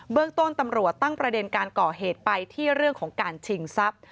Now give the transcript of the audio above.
เรื่องต้นตำรวจตั้งประเด็นการก่อเหตุไปที่เรื่องของการชิงทรัพย์